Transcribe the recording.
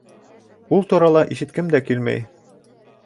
Ул турала ишеткем дә килмәй.